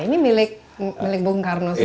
ini milik bung karno